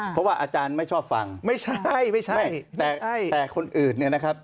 เพราะว่าอาจารย์ไม่ชอบฟังไม่ใช่ไม่ใช่แต่คนอื่นเนี่ยนะครับ